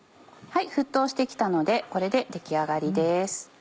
沸騰して来たのでこれで出来上がりです。